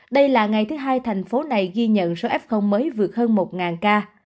đây là ngày thứ hai thành phố này ghi nhận số f mới vượt hơn một ca